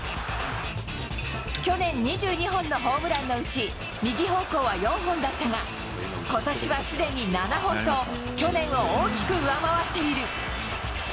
去年、２２本のホームランのうち、右方向は４本だったが、ことしはすでに７本と、去年を大きく上回っている。